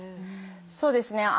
そうですね。